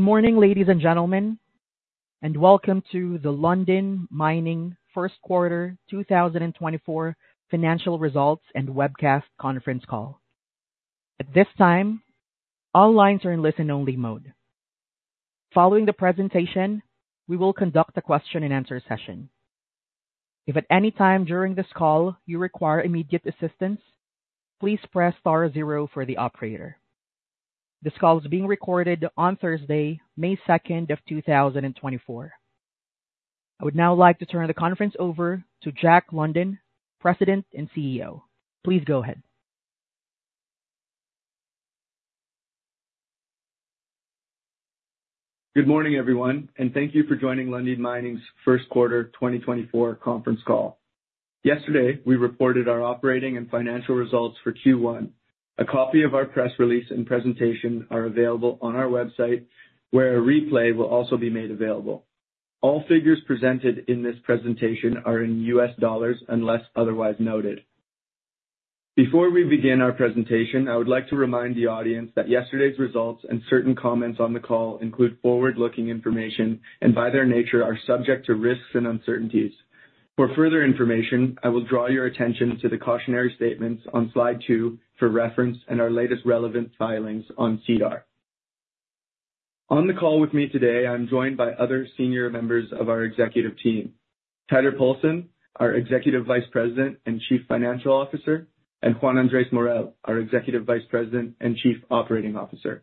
Good morning, ladies and gentlemen, and welcome to the Lundin Mining first quarter 2024 financial results and webcast conference call. At this time, all lines are in listen-only mode. Following the presentation, we will conduct a question-and-answer session. If at any time during this call you require immediate assistance, please press star zero for the operator. This call is being recorded on Thursday, May 2, 2024. I would now like to turn the conference over to Jack Lundin, President and CEO. Please go ahead. Good morning, everyone, and thank you for joining Lundin Mining's first quarter 2024 conference call. Yesterday, we reported our operating and financial results for Q1. A copy of our press release and presentation are available on our website, where a replay will also be made available. All figures presented in this presentation are in U.S. dollars, unless otherwise noted. Before we begin our presentation, I would like to remind the audience that yesterday's results and certain comments on the call include forward-looking information and, by their nature, are subject to risks and uncertainties. For further information, I will draw your attention to the cautionary statements on slide two for reference and our latest relevant filings on SEDAR. On the call with me today, I'm joined by other senior members of our executive team: Teitur Poulsen, our Executive Vice President and Chief Financial Officer, and Juan Andrés Morel, our Executive Vice President and Chief Operating Officer.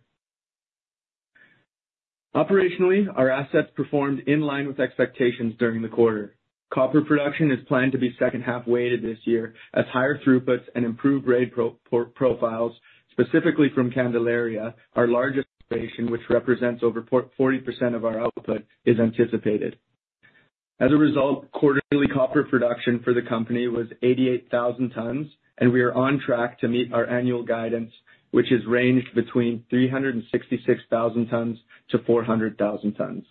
Operationally, our assets performed in line with expectations during the quarter. Copper production is planned to be second half weighted this year as higher throughputs and improved grade profiles, specifically from Candelaria, our largest operation, which represents over 40% of our output, is anticipated. As a result, quarterly copper production for the company was 88,000 tons, and we are on track to meet our annual guidance, which ranges between 366,000-400,000 tons.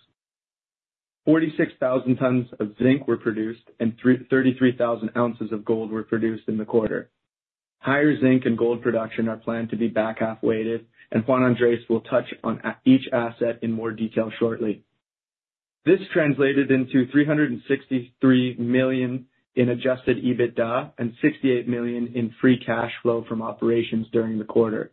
46,000 tons of zinc were produced, and 33,000 ounces of gold were produced in the quarter. Higher zinc and gold production are planned to be back half weighted, and Juan Andrés will touch on each asset in more detail shortly. This translated into $363 million in adjusted EBITDA and $68 million in free cash flow from operations during the quarter.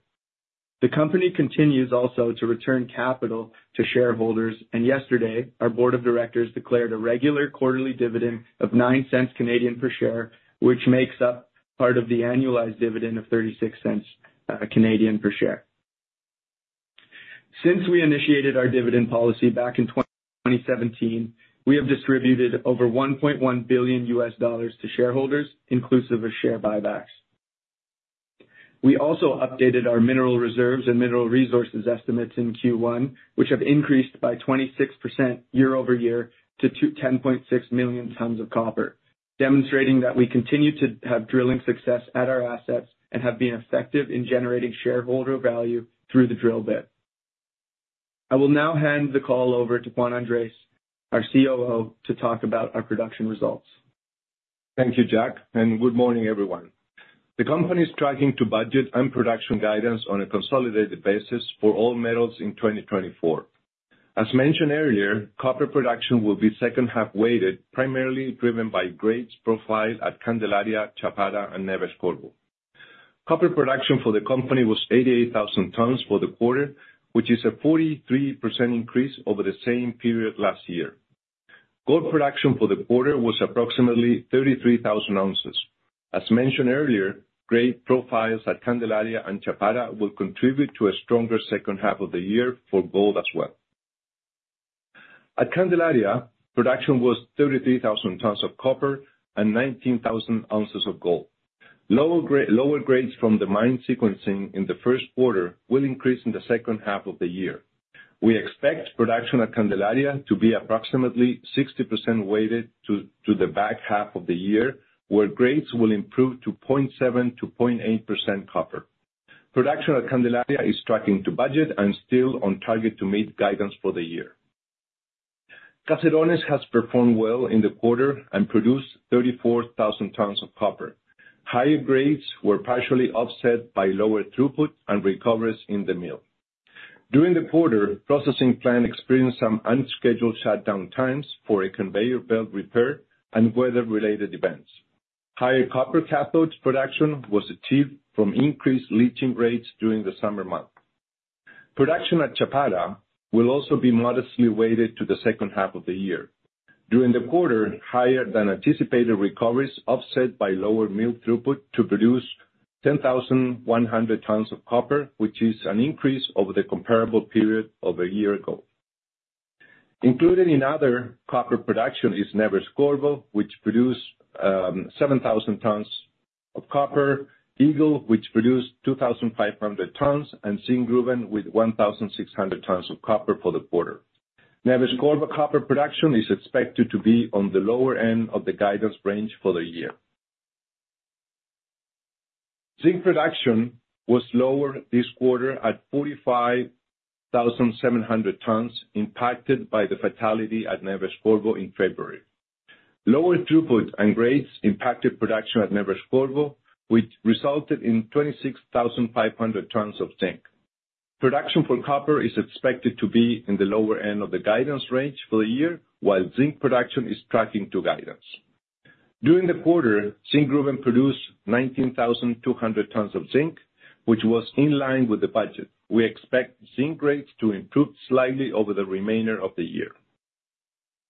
The company continues also to return capital to shareholders, and yesterday, our Board of Directors declared a regular quarterly dividend of 0.09 per share, which makes up part of the annualized dividend of 0.36 per share. Since we initiated our dividend policy back in 2017, we have distributed over $1.1 billion to shareholders, inclusive of share buybacks. We also updated our mineral reserves and mineral resources estimates in Q1, which have increased by 26% year-over-year to 210.6 million tons of copper, demonstrating that we continue to have drilling success at our assets and have been effective in generating shareholder value through the drill bit. I will now hand the call over to Juan Andrés, our COO, to talk about our production results. Thank you, Jack, and good morning, everyone. The company is tracking to budget and production guidance on a consolidated basis for all metals in 2024. As mentioned earlier, copper production will be second half weighted, primarily driven by grades profile at Candelaria, Chapada, and Neves-Corvo. Copper production for the company was 88,000 tons for the quarter, which is a 43% increase over the same period last year. Gold production for the quarter was approximately 33,000 ounces. As mentioned earlier, grade profiles at Candelaria and Chapada will contribute to a stronger second half of the year for gold as well. At Candelaria, production was 33,000 tons of copper and 19,000 ounces of gold. Lower grades from the mine sequencing in the first quarter will increase in the second half of the year. We expect production at Candelaria to be approximately 60% weighted to the back half of the year, where grades will improve to 0.7%-0.8% copper. Production at Candelaria is tracking to budget and still on target to meet guidance for the year. Caserones has performed well in the quarter and produced 34,000 tons of copper. Higher grades were partially offset by lower throughput and recoveries in the mill. During the quarter, processing plant experienced some unscheduled shutdown times for a conveyor belt repair and weather-related events. Higher copper cathodes production was achieved from increased leaching rates during the summer month. Production at Chapada will also be modestly weighted to the second half of the year. During the quarter, higher than anticipated recoveries offset by lower mill throughput to produce 10,100 tons of copper, which is an increase over the comparable period of a year ago. Included in other copper production is Neves-Corvo, which produced seven thousand tons of copper, Eagle, which produced 2,500 tons, and Zinkgruvan with 1,600 tons of copper for the quarter. Neves-Corvo copper production is expected to be on the lower end of the guidance range for the year. Zinc production was lower this quarter at 45,700 tons, impacted by the fatality at Neves-Corvo in February. Lower throughput and grades impacted production at Neves-Corvo, which resulted in 26,500 tons of zinc. Production for copper is expected to be in the lower end of the guidance range for the year, while zinc production is tracking to guidance. During the quarter, Zinkgruvan produced 19,200 tons of zinc, which was in line with the budget. We expect zinc rates to improve slightly over the remainder of the year.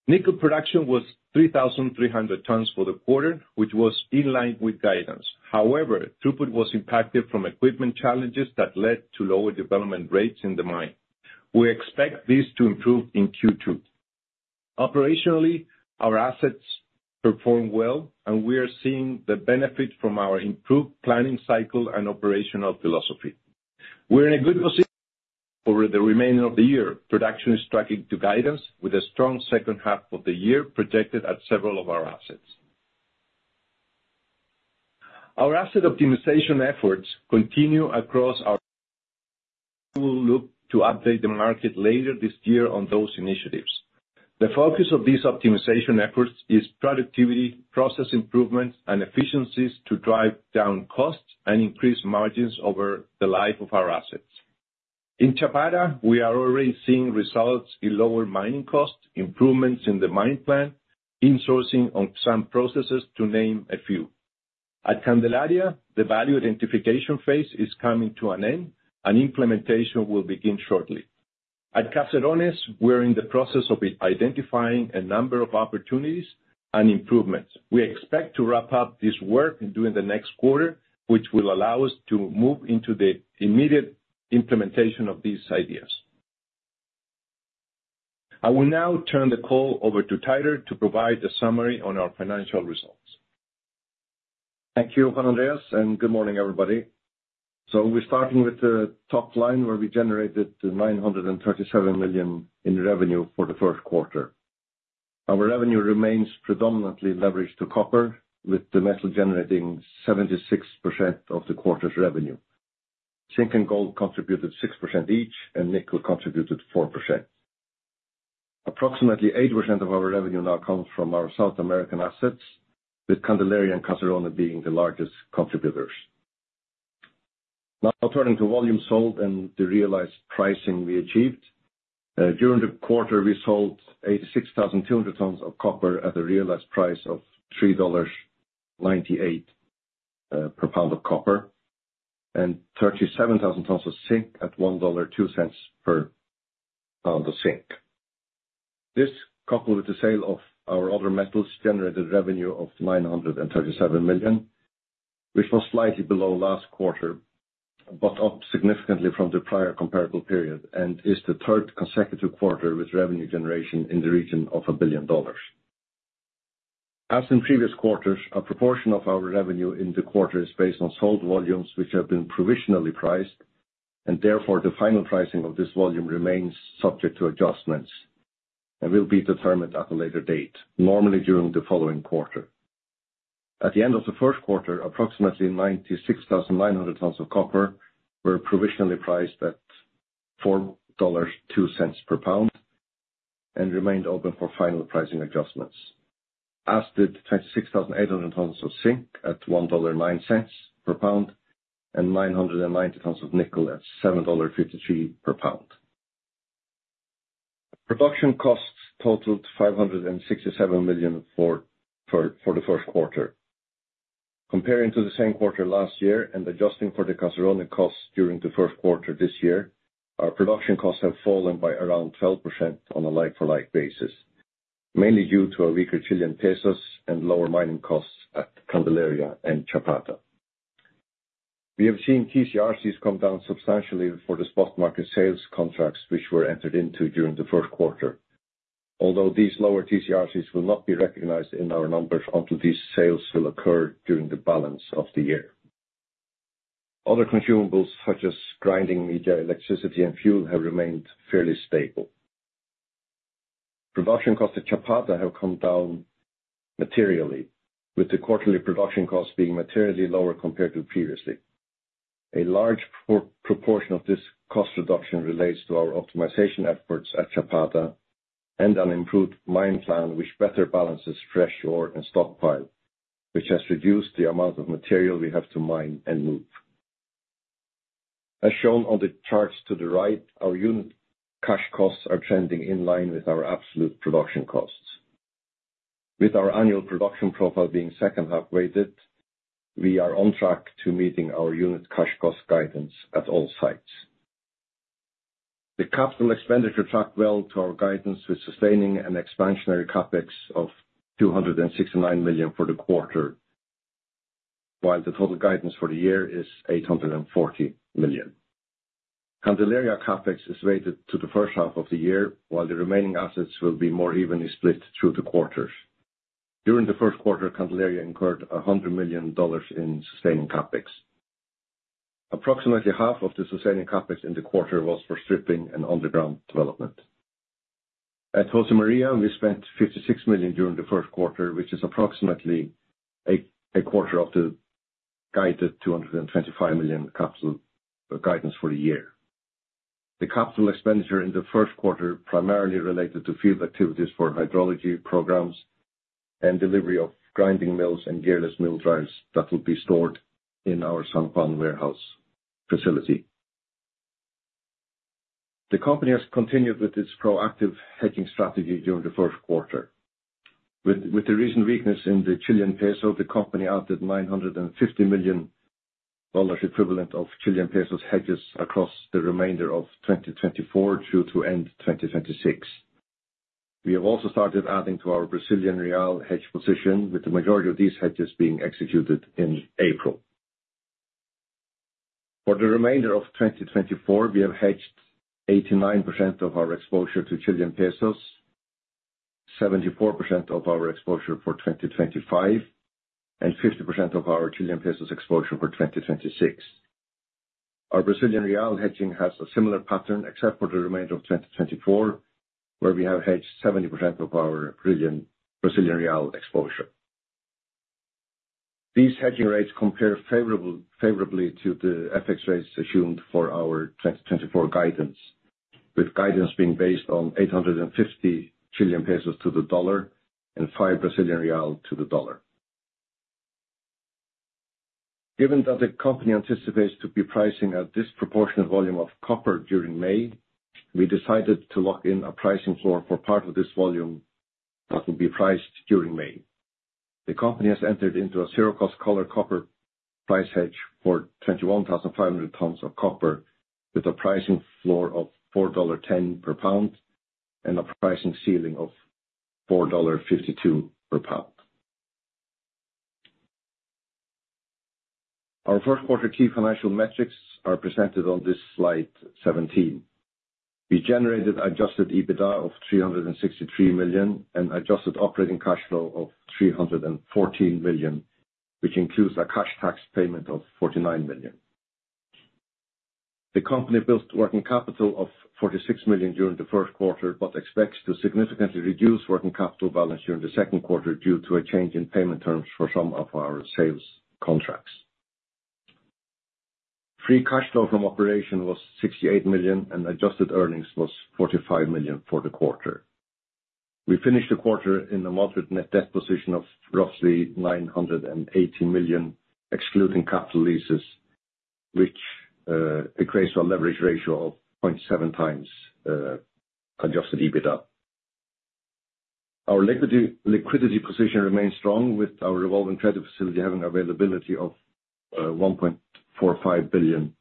Nickel production was 3,300 tons for the quarter, which was in line with guidance. However, throughput was impacted from equipment challenges that led to lower development rates in the mine. We expect this to improve in Q2. Operationally, our assets perform well, and we are seeing the benefit from our improved planning cycle and operational philosophy. We're in a good position over the remainder of the year. Production is tracking to guidance, with a strong second half of the year projected at several of our assets. Our asset optimization efforts continue across our assets. We will look to update the market later this year on those initiatives. The focus of these optimization efforts is productivity, process improvements, and efficiencies to drive down costs and increase margins over the life of our assets. In Chapada, we are already seeing results in lower mining costs, improvements in the mine plan, insourcing on some processes, to name a few. At Candelaria, the value identification phase is coming to an end, and implementation will begin shortly. At Caserones, we're in the process of identifying a number of opportunities and improvements. We expect to wrap up this work during the next quarter, which will allow us to move into the immediate implementation of these ideas. I will now turn the call over to Teitur to provide a summary on our financial results. Thank you, Juan Andrés, and good morning, everybody. So we're starting with the top line, where we generated $937 million in revenue for the first quarter. Our revenue remains predominantly leveraged to copper, with the metal generating 76% of the quarter's revenue. Zinc and gold contributed 6% each, and nickel contributed 4%. Approximately 8% of our revenue now comes from our South American assets, with Candelaria and Caserones being the largest contributors. Now turning to volumes sold and the realized pricing we achieved. During the quarter, we sold 86,200 tons of copper at a realized price of $3.98 per pound of copper, and 37,000 tons of zinc at $1.02 per pound of zinc. This, coupled with the sale of our other metals, generated revenue of $937 million, which was slightly below last quarter, but up significantly from the prior comparable period, and is the third consecutive quarter with revenue generation in the region of $1 billion. As in previous quarters, a proportion of our revenue in the quarter is based on sold volumes, which have been provisionally priced, and therefore, the final pricing of this volume remains subject to adjustments and will be determined at a later date, normally during the following quarter. At the end of the first quarter, approximately 96,900 tons of copper were provisionally priced at $4.02 per pound and remained open for final pricing adjustments, as did 26,800 tons of zinc at $1.09 per pound, and 990 tons of nickel at $7.53 per pound. Production costs totaled $567 million for the first quarter. Comparing to the same quarter last year and adjusting for the Caserones costs during the first quarter this year, our production costs have fallen by around 12% on a like-for-like basis, mainly due to our weaker CLP and lower mining costs at Candelaria and Chapada. We have seen TCRCs come down substantially for the spot market sales contracts, which were entered into during the first quarter, although these lower TCRCs will not be recognized in our numbers until these sales will occur during the balance of the year. Other consumables, such as grinding media, electricity, and fuel, have remained fairly stable. Production costs at Chapada have come down materially, with the quarterly production costs being materially lower compared to previously. A large proportion of this cost reduction relates to our optimization efforts at Chapada and an improved mine plan, which better balances fresh ore and stockpile, which has reduced the amount of material we have to mine and move. As shown on the charts to the right, our unit cash costs are trending in line with our absolute production costs. With our annual production profile being second half weighted, we are on track to meeting our unit cash cost guidance at all sites. The capital expenditure tracked well to our guidance, with sustaining an expansionary CapEx of $269 million for the quarter, while the total guidance for the year is $840 million. Candelaria CapEx is weighted to the first half of the year, while the remaining assets will be more evenly split through the quarters. During the first quarter, Candelaria incurred $100 million in sustaining CapEx. Approximately half of the sustaining CapEx in the quarter was for stripping and underground development. At Josemaria, we spent $56 million during the first quarter, which is approximately a quarter of the guided $225 million capital guidance for the year. The capital expenditure in the first quarter primarily related to field activities for hydrology programs and delivery of grinding mills and gearless mill drives that will be stored in our San Juan warehouse facility. The company has continued with its proactive hedging strategy during the first quarter. With the recent weakness in the Chilean peso, the company added $950 million equivalent of Chilean pesos hedges across the remainder of 2024 through to end 2026. We have also started adding to our Brazilian real hedge position, with the majority of these hedges being executed in April. For the remainder of 2024, we have hedged 89% of our exposure to Chilean pesos, 74% of our exposure for 2025, and 50% of our Chilean pesos exposure for 2026. Our Brazilian real hedging has a similar pattern, except for the remainder of 2024, where we have hedged 70% of our Brazilian real exposure. These hedging rates compare favorably to the FX rates assumed for our 2024 guidance, with guidance being based on 850 CLP to the dollar and 5 Brazilian real to the dollar. Given that the company anticipates to be pricing a disproportionate volume of copper during May, we decided to lock in a pricing floor for part of this volume that will be priced during May. The company has entered into a zero-cost collar copper price hedge for 21,500 tons of copper, with a pricing floor of $4.10 per pound and a pricing ceiling of $4.52 per pound. Our first quarter key financial metrics are presented on this slide 17. We generated adjusted EBITDA of $363 million and adjusted operating cash flow of $314 million, which includes a cash tax payment of $49 million. The company built working capital of $46 million during the first quarter, but expects to significantly reduce working capital balance during the second quarter due to a change in payment terms for some of our sales contracts. Free cash flow from operation was $68 million, and adjusted earnings was $45 million for the quarter. We finished the quarter in a moderate net debt position of roughly $980 million, excluding capital leases, which equates to a leverage ratio of 0.7 times adjusted EBITDA. Our liquidity position remains strong, with our revolving credit facility having availability of $1.45 billion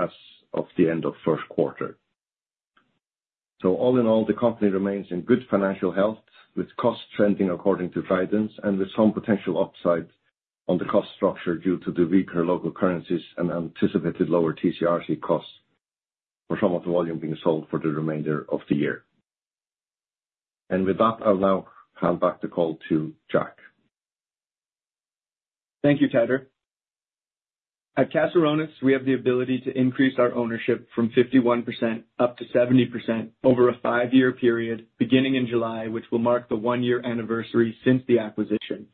as of the end of first quarter. All in all, the company remains in good financial health, with costs trending according to guidance and with some potential upside on the cost structure due to the weaker local currencies and anticipated lower TCRC costs for some of the volume being sold for the remainder of the year. With that, I'll now hand back the call to Jack. Thank you, Teitur. At Caserones, we have the ability to increase our ownership from 51% up to 70% over a five-year period, beginning in July, which will mark the one-year anniversary since the acquisition.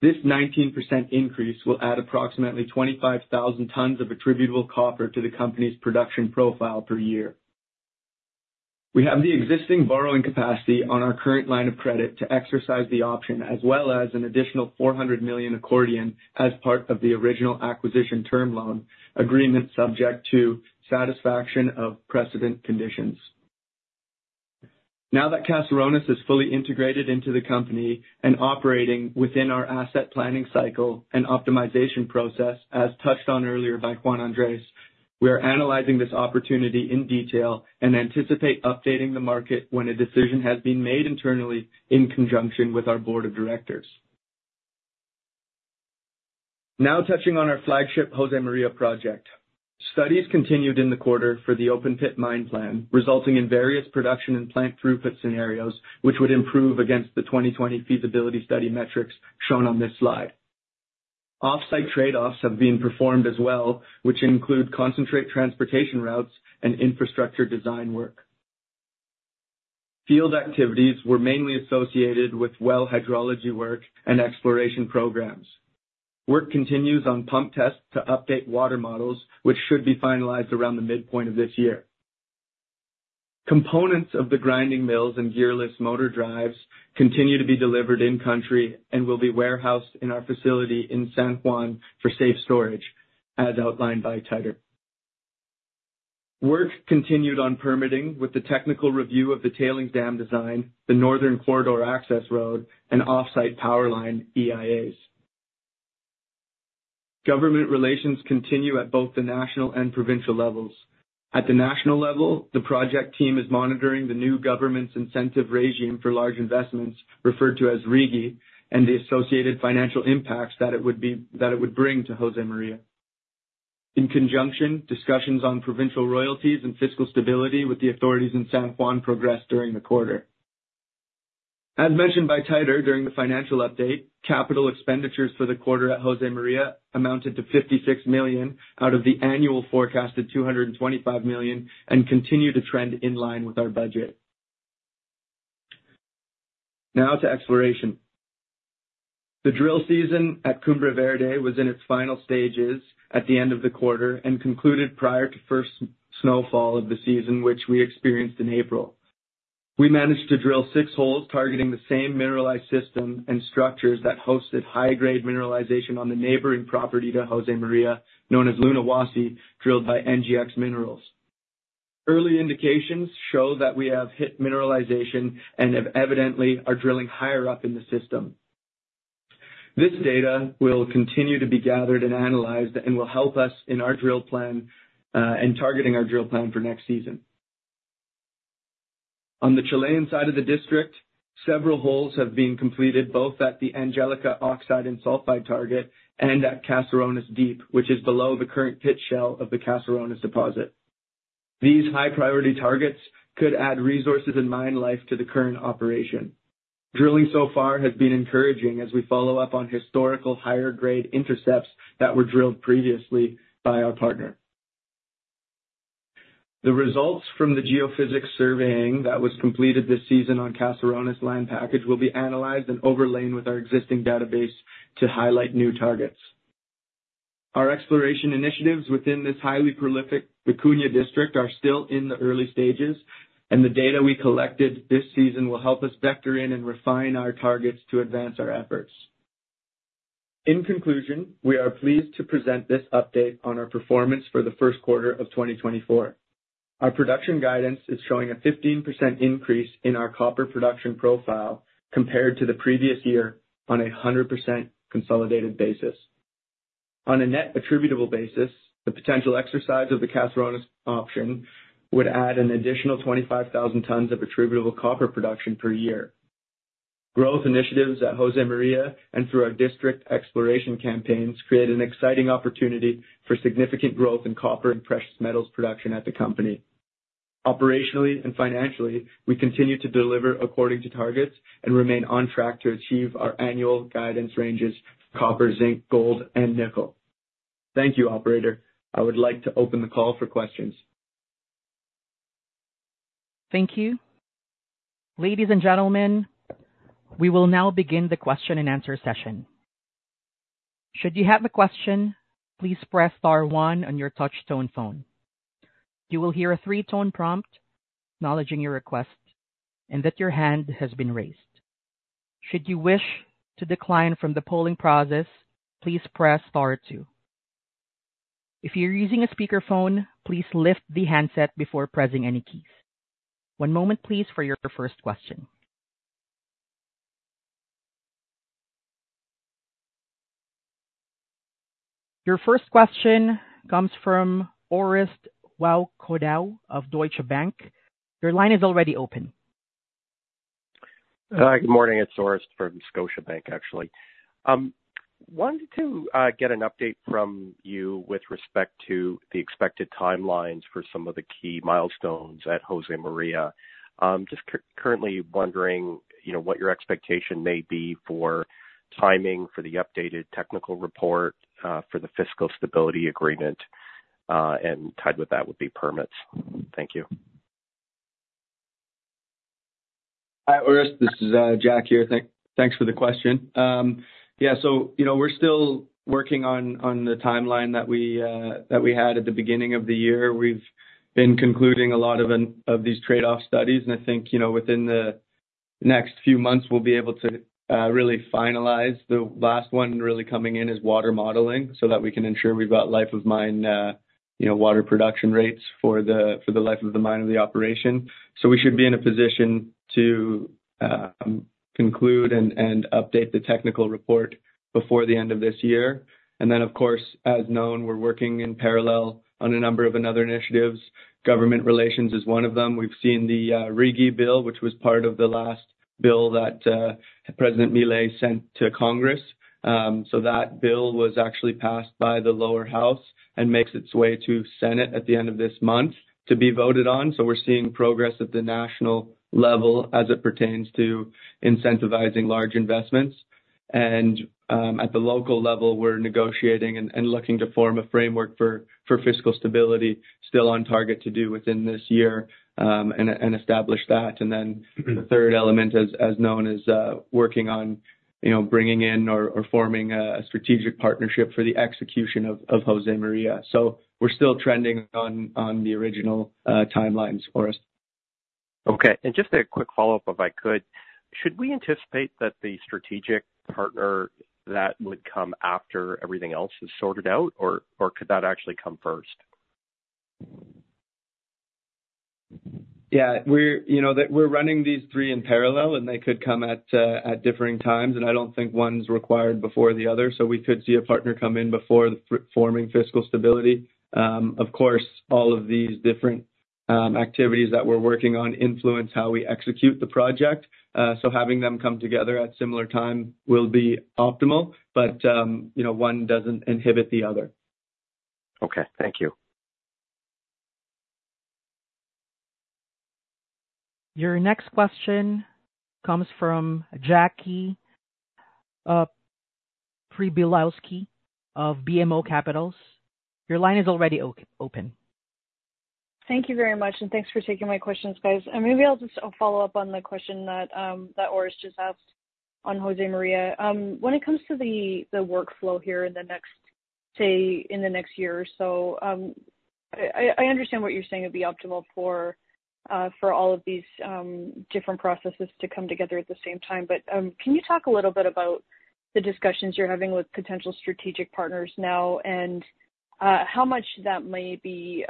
This 19% increase will add approximately 25,000 tons of attributable copper to the company's production profile per year. We have the existing borrowing capacity on our current line of credit to exercise the option, as well as an additional $400 million accordion as part of the original acquisition term loan agreement, subject to satisfaction of precedent conditions. Now that Caserones is fully integrated into the company and operating within our asset planning cycle and optimization process, as touched on earlier by Juan Andrés, we are analyzing this opportunity in detail and anticipate updating the market when a decision has been made internally in conjunction with our Board of Directors. Now touching on our flagship Josemaria project. Studies continued in the quarter for the open-pit mine plan, resulting in various production and plant throughput scenarios, which would improve against the 2020 feasibility study metrics shown on this slide. Off-site trade-offs have been performed as well, which include concentrate transportation routes and infrastructure design work. Field activities were mainly associated with well hydrology work and exploration programs. Work continues on pump tests to update water models, which should be finalized around the midpoint of this year. Components of the grinding mills and gearless motor drives continue to be delivered in country and will be warehoused in our facility in San Juan for safe storage, as outlined by Teitur. Work continued on permitting with the technical review of the tailings dam design, the northern corridor access road, and off-site power line EIAs. Government relations continue at both the national and provincial levels. At the national level, the project team is monitoring the new government's incentive regime for large investments, referred to as RIGI, and the associated financial impacts that it would bring to Josemaria. In conjunction, discussions on provincial royalties and fiscal stability with the authorities in San Juan progressed during the quarter. As mentioned by Teitur during the financial update, capital expenditures for the quarter at Josemaria amounted to $56 million out of the annual forecast of $225 million and continue to trend in line with our budget. Now to exploration. The drill season at Cumbre Verde was in its final stages at the end of the quarter and concluded prior to first snowfall of the season, which we experienced in April. We managed to drill six holes, targeting the same mineralized system and structures that hosted high-grade mineralization on the neighboring property to Josemaria, known as Lunahuasi, drilled by NGEx Minerals. Early indications show that we have hit mineralization and have evidently are drilling higher up in the system. This data will continue to be gathered and analyzed and will help us in our drill plan, and targeting our drill plan for next season. On the Chilean side of the district, several holes have been completed, both at the Angelica oxide and sulfide target and at Caserones Deep, which is below the current pit shell of the Caserones deposit. These high-priority targets could add resources and mine life to the current operation. Drilling so far has been encouraging as we follow up on historical higher grade intercepts that were drilled previously by our partner. The results from the geophysics surveying that was completed this season on Caserones' land package will be analyzed and overlain with our existing database to highlight new targets. Our exploration initiatives within this highly prolific Vicuña District are still in the early stages, and the data we collected this season will help us vector in and refine our targets to advance our efforts. In conclusion, we are pleased to present this update on our performance for the first quarter of 2024. Our production guidance is showing a 15% increase in our copper production profile compared to the previous year on a 100% consolidated basis. On a net attributable basis, the potential exercise of the Caserones option would add an additional 25,000 tons of attributable copper production per year. Growth initiatives at Josemaria and through our district exploration campaigns create an exciting opportunity for significant growth in copper and precious metals production at the company. Operationally and financially, we continue to deliver according to targets and remain on track to achieve our annual guidance ranges: copper, zinc, gold and nickel. Thank you, operator. I would like to open the call for questions. Thank you. Ladies and gentlemen, we will now begin the question-and-answer session. Should you have a question, please press star one on your touchtone phone. You will hear a three-tone prompt acknowledging your request and that your hand has been raised. Should you wish to decline from the polling process, please press star two. If you're using a speakerphone, please lift the handset before pressing any keys. One moment, please, for your first question. Your first question comes from Orest Wowkodaw of Scotiabank. Your line is already open. Hi, good morning. It's Orest from Scotiabank, actually. Wanted to get an update from you with respect to the expected timelines for some of the key milestones at Josemaria. Just currently wondering, you know, what your expectation may be for timing for the updated technical report, for the Fiscal Stability Agreement, and tied with that would be permits. Thank you. Hi, Orest, this is, Jack here. Thanks for the question. Yeah, so you know, we're still working on the timeline that we had at the beginning of the year. We've been concluding a lot of these trade-off studies, and I think, you know, within the next few months, we'll be able to really finalize. The last one really coming in is water modeling, so that we can ensure we've got life of mine, you know, water production rates for the life of the mine and the operation. So we should be in a position to conclude and update the technical report before the end of this year. And then, of course, as known, we're working in parallel on a number of another initiatives. Government relations is one of them. We've seen the RIGI bill, which was part of the last bill that President Milei sent to Congress. So that bill was actually passed by the Lower House and makes its way to Senate at the end of this month to be voted on. So we're seeing progress at the national level as it pertains to incentivizing large investments. And at the local level, we're negotiating and looking to form a framework for fiscal stability, still on target to do within this year, and establish that. And then the third element, as known, is working on, you know, bringing in or forming a strategic partnership for the execution of Josemaria. So we're still trending on the original timelines for us. Okay. Just a quick follow-up, if I could. Should we anticipate that the strategic partner that would come after everything else is sorted out, or, or could that actually come first? Yeah, we're, you know, we're running these three in parallel, and they could come at differing times, and I don't think one's required before the other, so we could see a partner come in before the forming fiscal stability. Of course, all of these different activities that we're working on influence how we execute the project. So having them come together at similar time will be optimal, but, you know, one doesn't inhibit the other. Okay, thank you. Your next question comes from Jackie Przybylowski of BMO Capital Markets. Your line is already open. Thank you very much, and thanks for taking my questions, guys. And maybe I'll just follow up on the question that Orest just asked on Josemaria. When it comes to the workflow here in the next, say, in the next year or so, I understand what you're saying it'd be optimal for all of these different processes to come together at the same time. But can you talk a little bit about the discussions you're having with potential strategic partners now? And how much that may be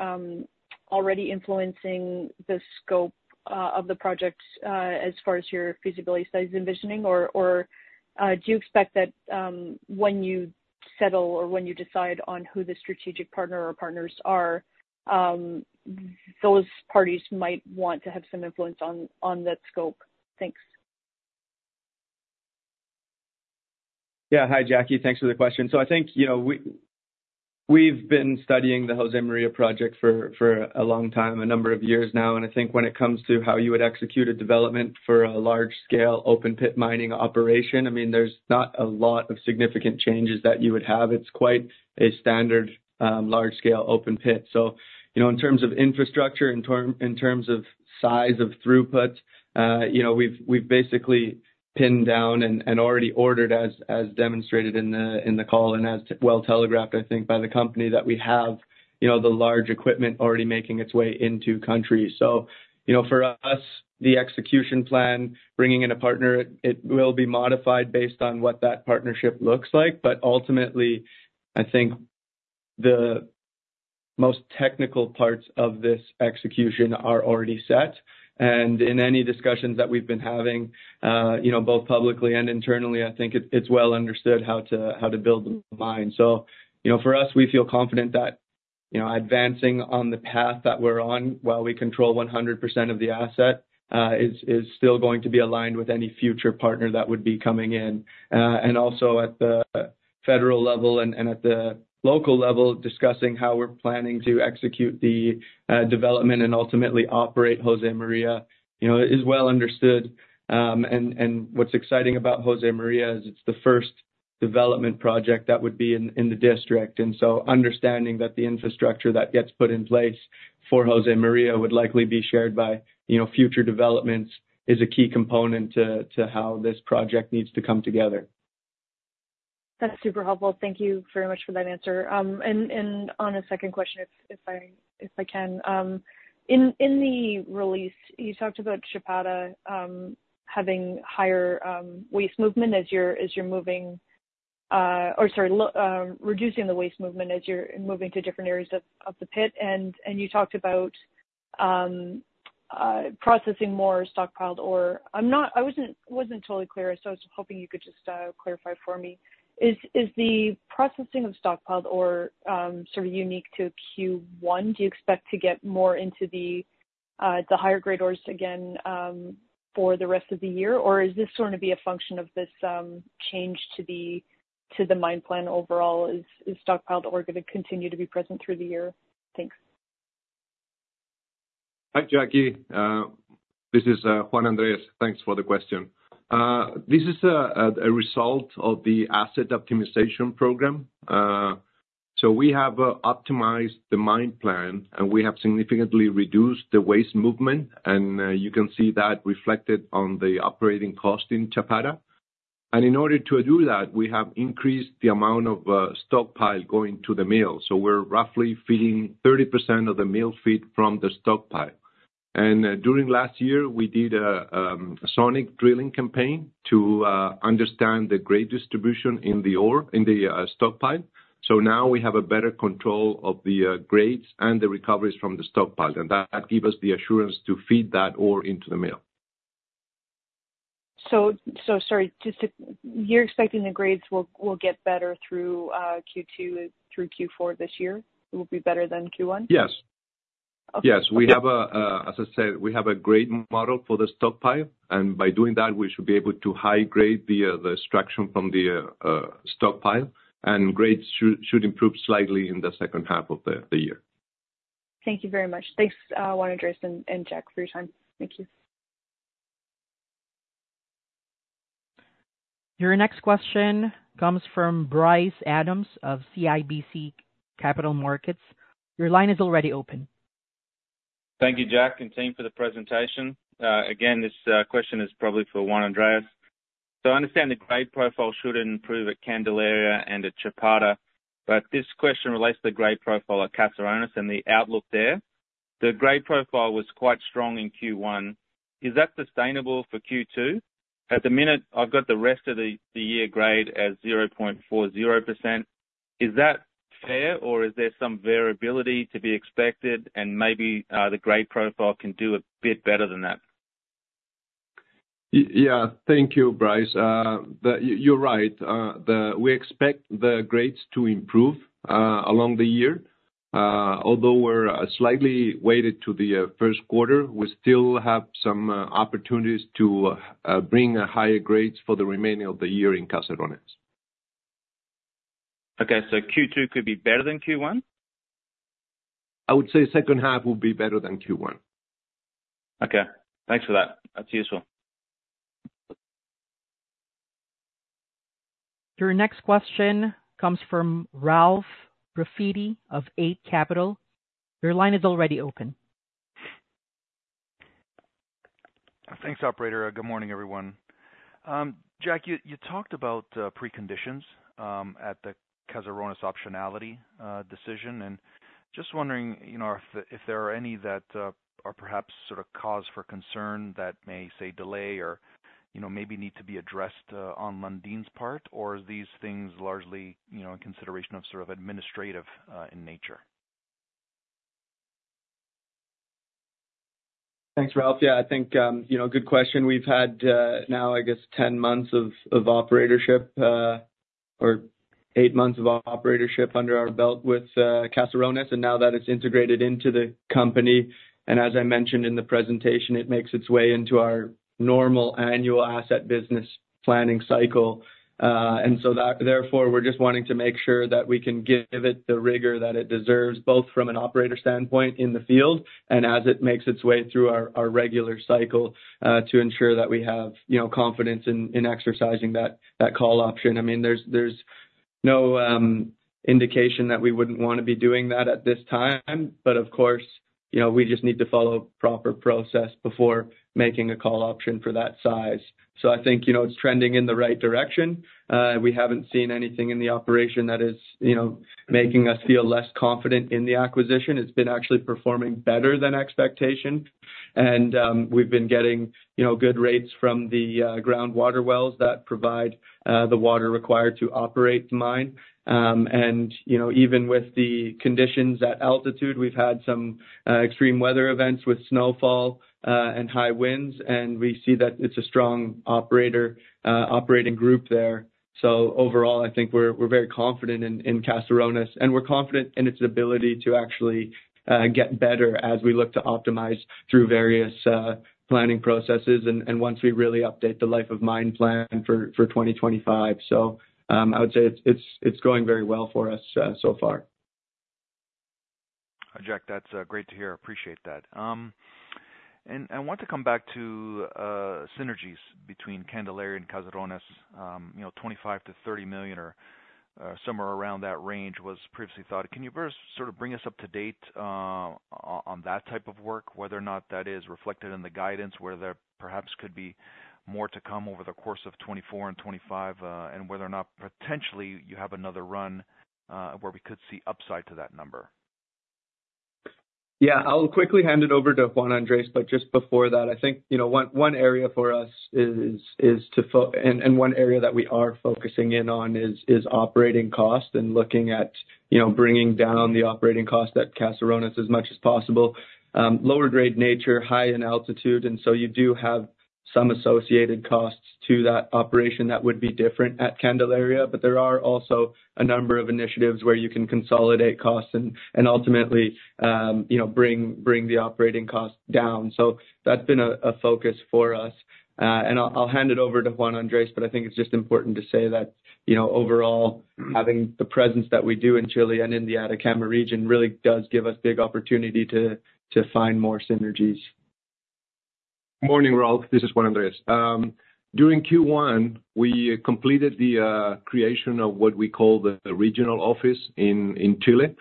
already influencing the scope of the projects as far as your feasibility studies envisioning? Do you expect that when you settle or when you decide on who the strategic partner or partners are, those parties might want to have some influence on that scope? Thanks. Yeah. Hi, Jackie. Thanks for the question. So I think, you know, we've been studying the Josemaria project for a long time, a number of years now, and I think when it comes to how you would execute a development for a large scale open pit mining operation, I mean, there's not a lot of significant changes that you would have. It's quite a standard large scale open pit. So, you know, in terms of infrastructure, in terms of size of throughput, you know, we've basically pinned down and already ordered as demonstrated in the call, and as well telegraphed, I think, by the company, that we have, you know, the large equipment already making its way into country. So, you know, for us, the execution plan, bringing in a partner, it will be modified based on what that partnership looks like. But ultimately, I think the most technical parts of this execution are already set. And in any discussions that we've been having, you know, both publicly and internally, I think it's well understood how to build the mine. So, you know, for us, we feel confident that, you know, advancing on the path that we're on while we control 100% of the asset, is still going to be aligned with any future partner that would be coming in. And also at the federal level and at the local level, discussing how we're planning to execute the development and ultimately operate Josemaria, you know, is well understood. And what's exciting about Josemaria is it's the first development project that would be in the district. And so understanding that the infrastructure that gets put in place for Josemaria would likely be shared by, you know, future developments is a key component to how this project needs to come together. That's super helpful. Thank you very much for that answer. And on a second question, if I can, in the release, you talked about Chapada having higher waste movement as you're moving, or sorry, reducing the waste movement as you're moving to different areas of the pit. And you talked about processing more stockpiled ore. I'm not totally clear, so I was hoping you could just clarify for me. Is the processing of stockpiled ore sort of unique to Q1? Do you expect to get more into the higher grade ores again for the rest of the year? Or is this going to be a function of this change to the mine plan overall? Is stockpiled ore going to continue to be present through the year? Thanks. Hi, Jackie, this is Juan Andrés. Thanks for the question. This is a result of the asset optimization program. So we have optimized the mine plan, and we have significantly reduced the waste movement, and you can see that reflected on the operating cost in Chapada. And in order to do that, we have increased the amount of stockpile going to the mill. So we're roughly feeding 30% of the mill feed from the stockpile. And during last year, we did a sonic drilling campaign to understand the grade distribution in the ore, in the stockpile. So now we have a better control of the grades and the recoveries from the stockpile, and that give us the assurance to feed that ore into the mill. So, sorry, just to... You're expecting the grades will get better through Q2 through Q4 this year, it will be better than Q1? Yes. Okay. Yes. We have a, as I said, we have a great model for the stockpile, and by doing that, we should be able to high grade the extraction from the stockpile, and grades should improve slightly in the second half of the year. Thank you very much. Thanks, Juan Andrés and Jack for your time. Thank you. Your next question comes from Bryce Adams of CIBC Capital Markets. Your line is already open. Thank you, Jack, and team for the presentation. Again, this question is probably for Juan Andrés. So I understand the grade profile should improve at Candelaria and at Chapada, but this question relates to the grade profile at Caserones and the outlook there. The grade profile was quite strong in Q1. Is that sustainable for Q2? At the minute, I've got the rest of the year grade as 0.40%. Is that fair, or is there some variability to be expected and maybe the grade profile can do a bit better than that? Yeah. Thank you, Bryce. You're right. We expect the grades to improve along the year. Although we're slightly weighted to the first quarter, we still have some opportunities to bring higher grades for the remaining of the year in Caserones. Okay, so Q2 could be better than Q1? I would say second half will be better than Q1. Okay, thanks for that. That's useful. Your next question comes from Ralph Profiti of Eight Capital. Your line is already open. Thanks, operator. Good morning, everyone. Jack, you talked about preconditions at the Caserones optionality decision, and just wondering, you know, if there are any that are perhaps sort of cause for concern that may, say, delay or, you know, maybe need to be addressed on Lundin's part? Or are these things largely, you know, in consideration of sort of administrative in nature? Thanks, Ralph. Yeah, I think, you know, good question. We've had now, I guess, 10 months of operatorship or eight months of operatorship under our belt with Caserones, and now that it's integrated into the company, and as I mentioned in the presentation, it makes its way into our normal annual asset business planning cycle. And so therefore, we're just wanting to make sure that we can give it the rigor that it deserves, both from an operator standpoint in the field and as it makes its way through our regular cycle to ensure that we have, you know, confidence in exercising that call option. I mean, there's no indication that we wouldn't want to be doing that at this time. But of course, you know, we just need to follow proper process before making a call option for that size. So I think, you know, it's trending in the right direction. We haven't seen anything in the operation that is, you know, making us feel less confident in the acquisition. It's been actually performing better than expectation. And, we've been getting, you know, good rates from the, groundwater wells that provide, the water required to operate the mine. And, you know, even with the conditions at altitude, we've had some, extreme weather events with snowfall, and high winds, and we see that it's a strong operator, operating group there. So overall, I think we're very confident in Caserones, and we're confident in its ability to actually get better as we look to optimize through various planning processes and once we really update the life of mine plan for 2025. So, I would say it's going very well for us so far. Jack, that's great to hear. Appreciate that. And I want to come back to synergies between Candelaria and Caserones. You know, $25 million-$30 million or somewhere around that range was previously thought. Can you first sort of bring us up to date on that type of work, whether or not that is reflected in the guidance, whether there perhaps could be more to come over the course of 2024 and 2025, and whether or not potentially you have another run where we could see upside to that number? Yeah. I'll quickly hand it over to Juan Andrés, but just before that, I think, you know, one area for us is one area that we are focusing in on is operating cost and looking at, you know, bringing down the operating cost at Caserones as much as possible. Lower grade nature, high in altitude, and so you do have some associated costs to that operation that would be different at Candelaria, but there are also a number of initiatives where you can consolidate costs and ultimately, you know, bring the operating costs down. So that's been a focus for us. I'll hand it over to Juan Andrés, but I think it's just important to say that, you know, overall, having the presence that we do in Chile and in the Atacama region really does give us big opportunity to find more synergies. Morning, Ralph, this is Juan Andrés. During Q1, we completed the creation of what we call the regional office in Chile.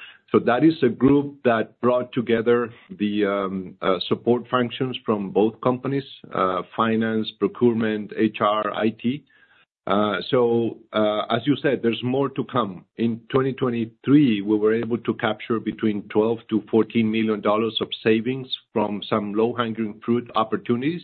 That is a group that brought together the support functions from both companies, finance, procurement, HR, IT. As you said, there's more to come. In 2023, we were able to capture between $12 million-$14 million of savings from some low-hanging fruit opportunities.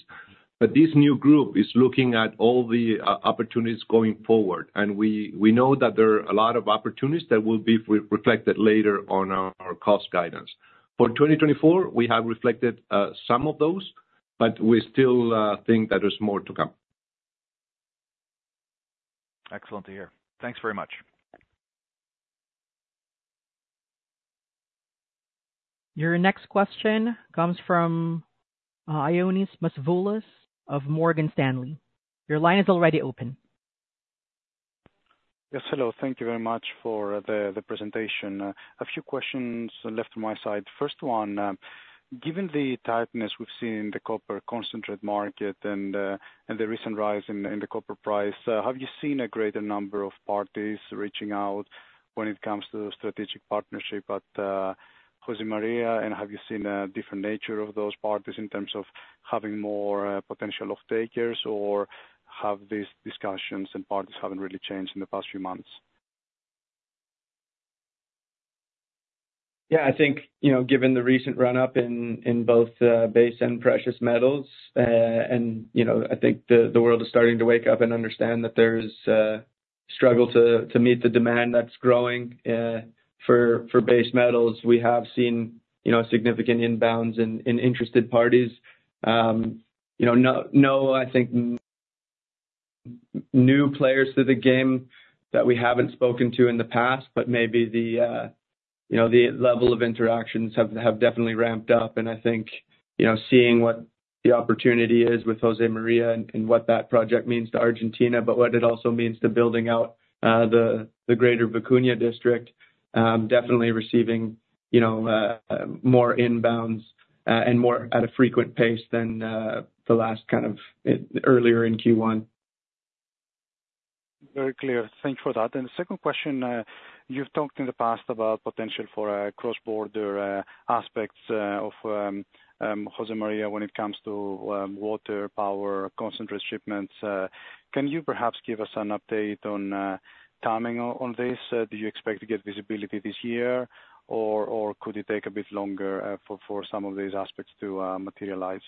But this new group is looking at all the opportunities going forward, and we know that there are a lot of opportunities that will be re-reflected later on our cost guidance. For 2024, we have reflected some of those, but we still think that there's more to come. Excellent to hear. Thanks very much. Your next question comes from Ioannis Masvoulas of Morgan Stanley. Your line is already open. Yes, hello. Thank you very much for the presentation. A few questions left on my side. First one, given the tightness we've seen in the copper concentrate market and, and the recent rise in the copper price, have you seen a greater number of parties reaching out when it comes to strategic partnership at Josemaria? And have you seen a different nature of those parties in terms of having more potential off-takers, or have these discussions and parties haven't really changed in the past few months? Yeah, I think, you know, given the recent run-up in, in both, base and precious metals, and, you know, I think the, the world is starting to wake up and understand that there's a struggle to, to meet the demand that's growing, for, for base metals. We have seen, you know, significant inbounds in, in interested parties. You know, no, no, I think new players to the game that we haven't spoken to in the past, but maybe the, you know, the level of interactions have, have definitely ramped up. I think, you know, seeing what the opportunity is with Josemaria and what that project means to Argentina, but what it also means to building out the greater Vicuña District, definitely receiving, you know, more inbounds and more at a frequent pace than the last kind of earlier in Q1. Very clear. Thank you for that. And the second question, you've talked in the past about potential for a cross-border aspects of Josemaria when it comes to water, power, concentrate shipments. Can you perhaps give us an update on timing on this? Do you expect to get visibility this year, or could it take a bit longer for some of these aspects to materialize?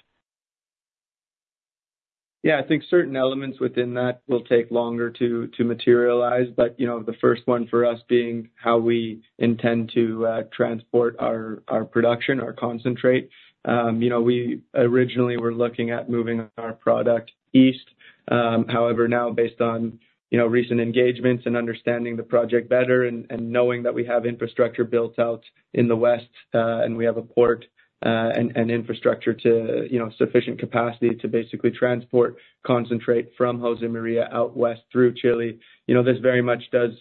Yeah, I think certain elements within that will take longer to materialize. But, you know, the first one for us being how we intend to transport our production, our concentrate. You know, we originally were looking at moving our product east. However, now based on, you know, recent engagements and understanding the project better and knowing that we have infrastructure built out in the west, and we have a port, and infrastructure to, you know, sufficient capacity to basically transport concentrate from Josemaria out west through Chile. You know, this very much does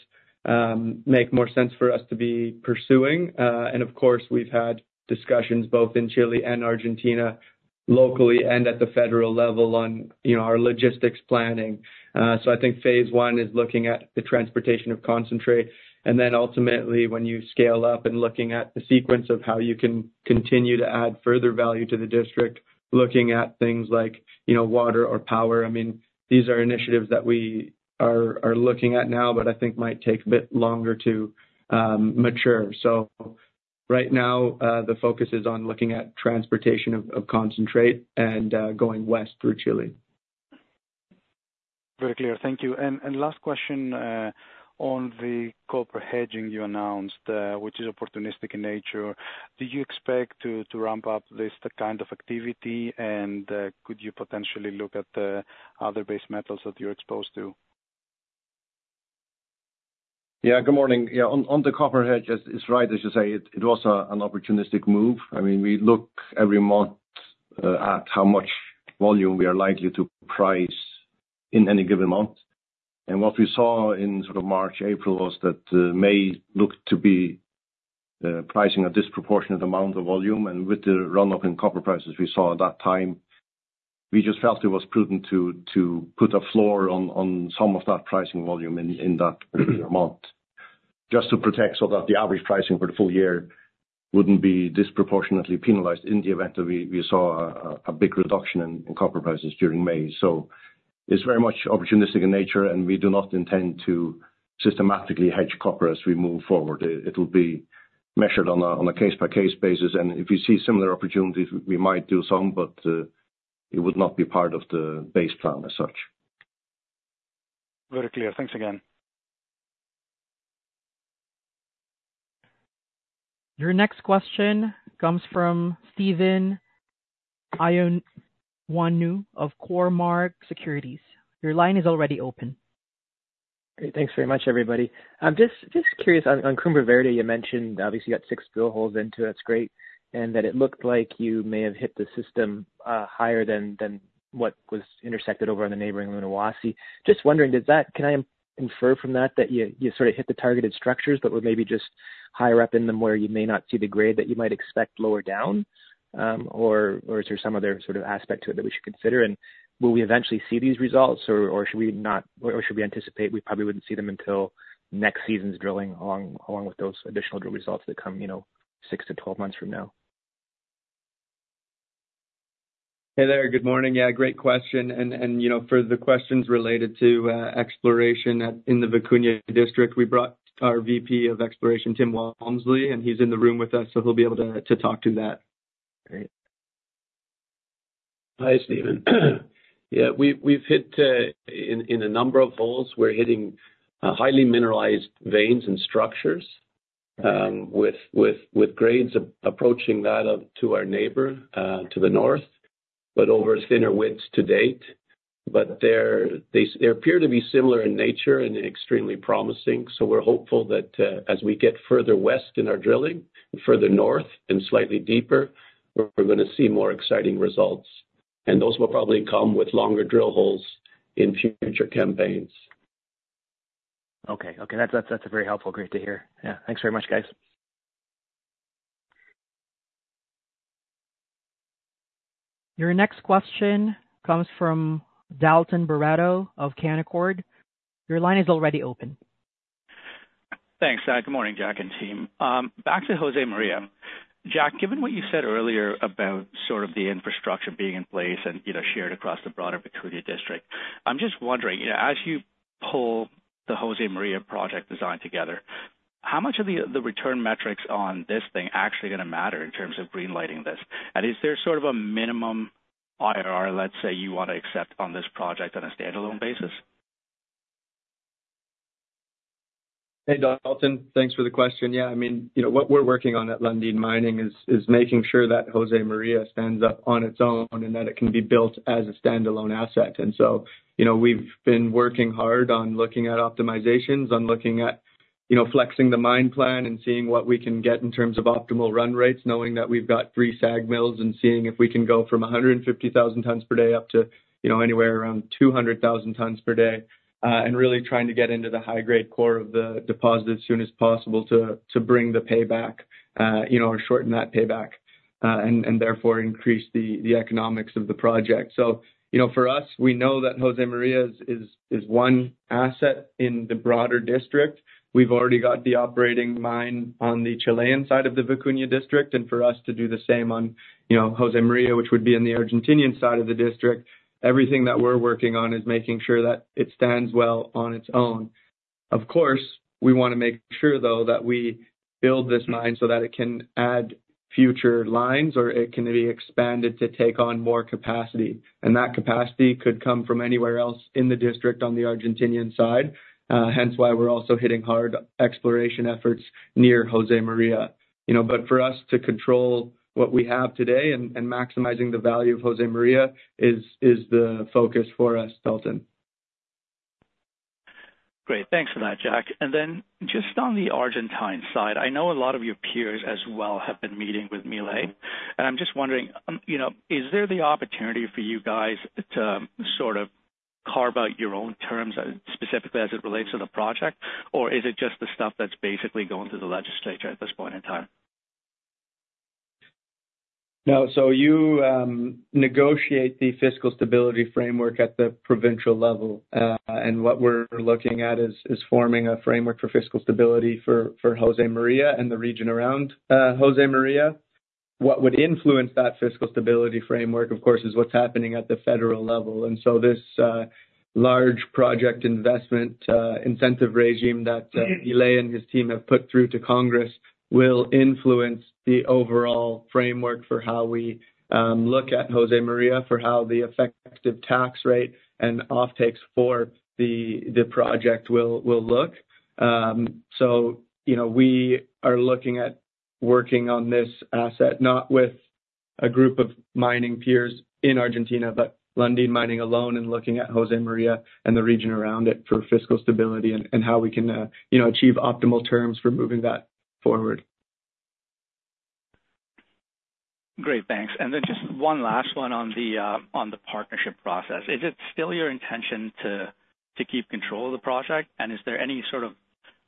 make more sense for us to be pursuing. And of course, we've had discussions both in Chile and Argentina, locally and at the federal level on, you know, our logistics planning. So I think phase one is looking at the transportation of concentrate, and then ultimately, when you scale up and looking at the sequence of how you can continue to add further value to the district, looking at things like, you know, water or power. I mean, these are initiatives that we are looking at now, but I think might take a bit longer to mature. So right now, the focus is on looking at transportation of concentrate and going west through Chile. Very clear. Thank you. Last question on the copper hedging you announced, which is opportunistic in nature. Do you expect to ramp up this kind of activity? And could you potentially look at the other base metals that you're exposed to? Yeah, good morning. Yeah, on the copper hedge, it's right, as you say, it was an opportunistic move. I mean, we look every month at how much volume we are likely to price in any given month. And what we saw in sort of March, April, was that May looked to be pricing a disproportionate amount of volume. And with the run up in copper prices we saw at that time, we just felt it was prudent to put a floor on some of that pricing volume in that month. Just to protect so that the average pricing for the full year wouldn't be disproportionately penalized in the event that we saw a big reduction in copper prices during May. It's very much opportunistic in nature, and we do not intend to systematically hedge copper as we move forward. It will be measured on a case-by-case basis, and if we see similar opportunities, we might do some, but it would not be part of the base plan as such. Very clear. Thanks again. Your next question comes from Stefan Ioannou of Cormark Securities. Your line is already open. Great. Thanks very much, everybody. I'm just curious on Cumbre Verde. You mentioned obviously you got six drill holes into it. That's great, and that it looked like you may have hit the system higher than what was intersected over on the neighboring Lunahuasi. Just wondering, does that. Can I infer from that, that you sort of hit the targeted structures but were maybe just higher up in them, where you may not see the grade that you might expect lower down? Or is there some other sort of aspect to it that we should consider? And will we eventually see these results, or should we not, or should we anticipate we probably wouldn't see them until next season's drilling, along with those additional drill results that come, you know, six to 12 months from now? Hey there. Good morning. Yeah, great question. You know, for the questions related to exploration at, in the Vicuña District, we brought our VP of Exploration, Tim Walmsley, and he's in the room with us, so he'll be able to talk to that. Great. Hi, Stefan. Yeah, we've hit in a number of holes. We're hitting highly mineralized veins and structures with grades approaching that of to our neighbor to the north, but over thinner widths to date. But they appear to be similar in nature and extremely promising, so we're hopeful that as we get further west in our drilling and further north and slightly deeper, we're gonna see more exciting results. And those will probably come with longer drill holes in future campaigns. Okay. That's very helpful. Great to hear. Yeah. Thanks very much, guys. Your next question comes from Dalton Barreto of Canaccord. Your line is already open. Thanks. Good morning, Jack and team. Back to Josemaria. Jack, given what you said earlier about sort of the infrastructure being in place and, you know, shared across the broader Vicuña District, I'm just wondering, you know, as you pull the Josemaria project design together, how much of the, the return metrics on this thing actually gonna matter in terms of greenlighting this? And is there sort of a minimum IRR, let's say, you want to accept on this project on a standalone basis? Hey, Dalton. Thanks for the question. Yeah, I mean, you know, what we're working on at Lundin Mining is making sure that Josemaria stands up on its own and that it can be built as a standalone asset. And so, you know, we've been working hard on looking at optimizations, on looking at, you know, flexing the mine plan and seeing what we can get in terms of optimal run rates, knowing that we've got three SAG mills, and seeing if we can go from 150,000 tons per day up to, you know, anywhere around 200,000 tons per day. And really trying to get into the high-grade core of the deposit as soon as possible to bring the payback, you know, or shorten that payback, and therefore increase the economics of the project. So, you know, for us, we know that Josemaria is one asset in the broader district. We've already got the operating mine on the Chilean side of the Vicuña district, and for us to do the same on, you know, Josemaria, which would be in the Argentinian side of the district, everything that we're working on is making sure that it stands well on its own. Of course, we wanna make sure, though, that we build this mine so that it can add future lines, or it can be expanded to take on more capacity, and that capacity could come from anywhere else in the district on the Argentinian side. Hence, why we're also hitting hard exploration efforts near Josemaria. You know, but for us to control what we have today and maximizing the value of Josemaria is the focus for us, Dalton. Great. Thanks for that, Jack. And then just on the Argentine side, I know a lot of your peers as well have been meeting with Milei, and I'm just wondering, you know, is there the opportunity for you guys to sort of carve out your own terms, specifically as it relates to the project? Or is it just the stuff that's basically going through the legislature at this point in time? No, so you, negotiate the fiscal stability framework at the provincial level, and what we're looking at is forming a framework for fiscal stability for Josemaria and the region around Josemaria. What would influence that fiscal stability framework, of course, is what's happening at the federal level. And so this large project investment incentive regime that Milei and his team have put through to Congress will influence the overall framework for how we look at Josemaria, for how the effective tax rate and offtakes for the project will look. So, you know, we are looking at working on this asset, not with a group of mining peers in Argentina, but Lundin Mining alone, and looking at Josemaria and the region around it for fiscal stability and how we can, you know, achieve optimal terms for moving that forward. Great, thanks. And then just one last one on the partnership process. Is it still your intention to keep control of the project? And is there any sort of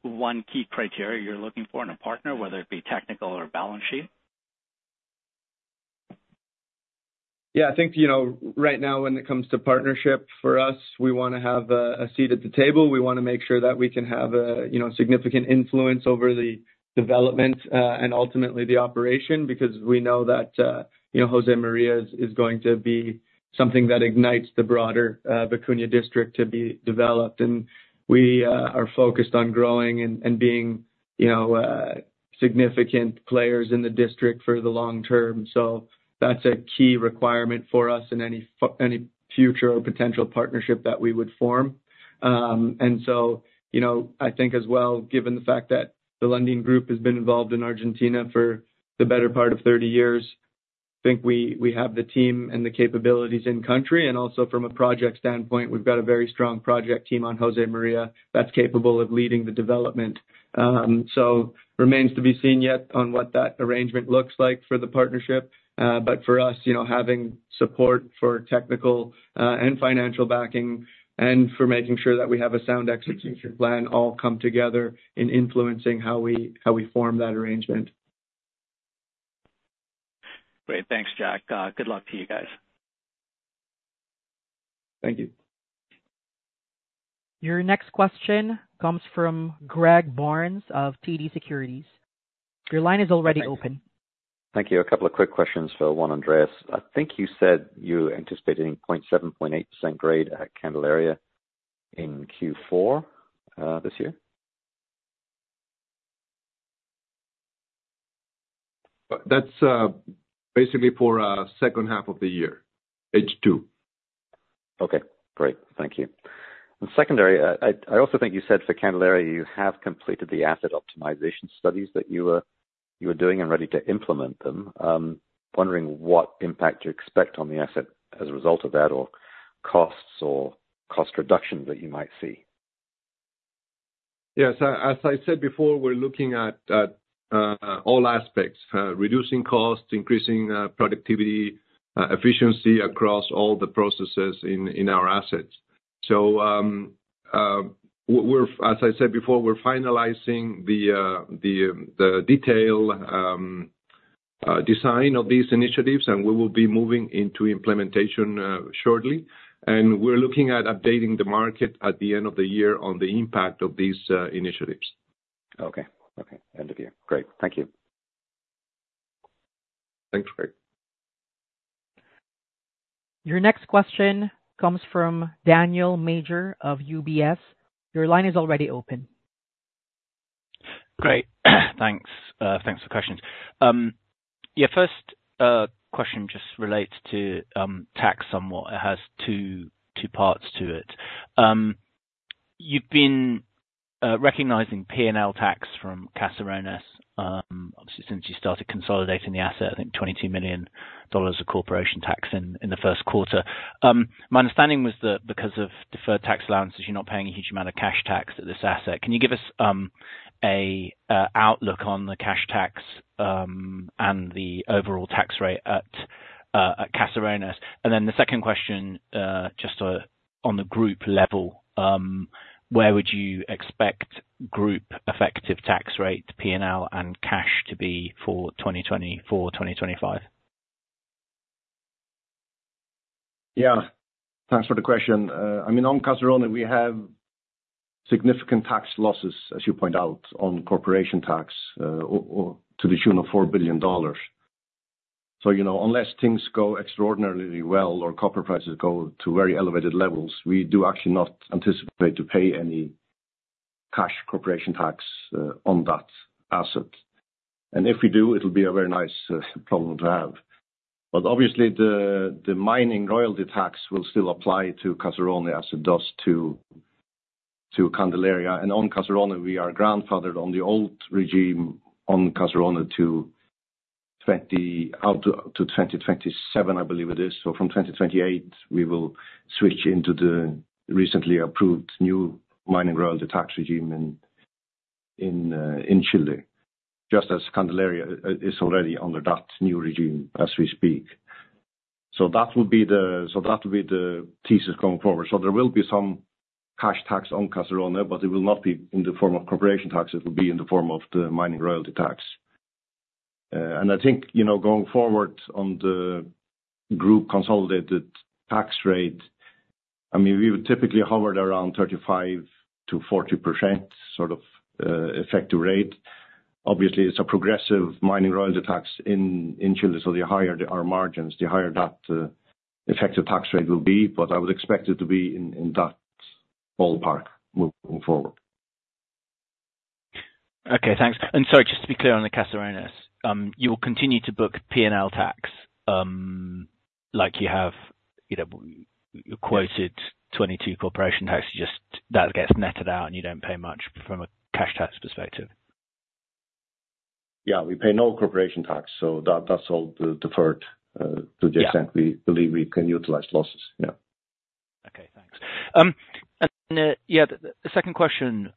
one key criteria you're looking for in a partner, whether it be technical or balance sheet? Yeah, I think, you know, right now, when it comes to partnership, for us, we wanna have a seat at the table. We wanna make sure that we can have a, you know, significant influence over the development, and ultimately, the operation, because we know that, you know, Josemaria is going to be something that ignites the broader, Vicuña district to be developed. And we are focused on growing and being, you know, significant players in the district for the long term. So that's a key requirement for us in any future or potential partnership that we would form. You know, I think as well, given the fact that the Lundin Group has been involved in Argentina for the better part of 30 years, I think we have the team and the capabilities in country, and also from a project standpoint, we've got a very strong project team on Josemaria that's capable of leading the development. So remains to be seen yet on what that arrangement looks like for the partnership. But for us, you know, having support for technical and financial backing and for making sure that we have a sound execution plan all come together in influencing how we form that arrangement. Great. Thanks, Jack. Good luck to you guys. Thank you. Your next question comes from Greg Barnes of TD Securities. Your line is already open. Thank you. A couple of quick questions for Juan Andrés. I think you said you're anticipating 0.7%-0.8% grade at Candelaria in Q4 this year? That's basically for second half of the year, H2. Okay, great. Thank you. And secondary, I also think you said for Candelaria, you have completed the asset optimization studies that you were doing and ready to implement them. Wondering what impact you expect on the asset as a result of that, or costs or cost reductions that you might see? Yes. As I said before, we're looking at all aspects, reducing costs, increasing productivity, efficiency across all the processes in our assets. So, as I said before, we're finalizing the detailed design of these initiatives, and we will be moving into implementation shortly. And we're looking at updating the market at the end of the year on the impact of these initiatives. Okay. Okay. End of year. Great. Thank you. Thanks, Greg. Your next question comes from Daniel Major of UBS. Your line is already open. Great. Thanks. Thanks for the questions. Yeah, first question just relates to tax somewhat. It has two parts to it. You've been recognizing P&L tax from Caserones, obviously, since you started consolidating the asset, I think $22 million of corporation tax in the first quarter. My understanding was that because of deferred tax allowances, you're not paying a huge amount of cash tax at this asset. Can you give us a outlook on the cash tax and the overall tax rate at Caserones. And then the second question, just on the group level, where would you expect group effective tax rate, P&L, and cash to be for 2024 2025? Yeah, thanks for the question. I mean, on Caserones, we have significant tax losses, as you point out, on corporation tax, to the tune of $4 billion. So, you know, unless things go extraordinarily well or copper prices go to very elevated levels, we do actually not anticipate to pay any cash corporation tax on that asset. And if we do, it'll be a very nice problem to have. But obviously, the mining royalty tax will still apply to Caserones, as it does to Candelaria. And on Caserones, we are grandfathered on the old regime on Caserones to 2027, I believe it is. So from 2028, we will switch into the recently approved new mining royalty tax regime in Chile, just as Candelaria is already under that new regime as we speak. So that will be the thesis going forward. So there will be some cash tax on Caserones, but it will not be in the form of corporation tax, it will be in the form of the mining royalty tax. And I think, you know, going forward on the group consolidated tax rate, I mean, we would typically hovered around 35%-40%, sort of, effective rate. Obviously, it's a progressive mining royalty tax in Chile, so the higher our margins, the higher that effective tax rate will be, but I would expect it to be in that ballpark moving forward. Okay, thanks. Sorry, just to be clear on the Caserones, you will continue to book P&L tax, like you have, you know, you quoted 22 corporate tax, just that gets netted out, and you don't pay much from a cash tax perspective? Yeah, we pay no corporation tax, so that's all deferred. Yeah. To the extent we believe we can utilize losses. Yeah. Okay, thanks. And, the second question,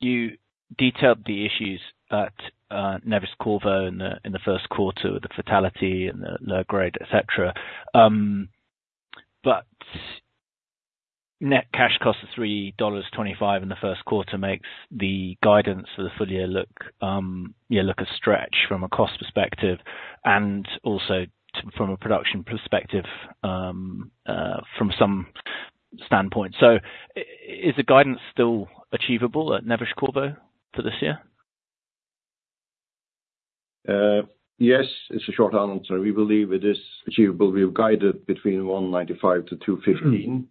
you detailed the issues at Neves-Corvo in the first quarter, the fatality and the grade, et cetera. But net cash cost of $3.25 in the first quarter makes the guidance for the full year look a stretch from a cost perspective, and also from a production perspective, from some standpoint. So is the guidance still achievable at Neves-Corvo for this year? Yes, it's a short answer. We believe it is achievable. We've guided between $1.95-$2.15